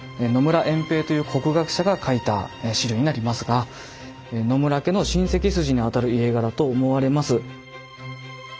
野村円平という国学者が書いた史料になりますが野村家の親戚筋にあたる家柄と思われます。